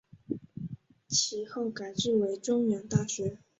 其后改制为中原大学。